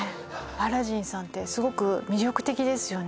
アラジンさんってすごく魅力的ですよね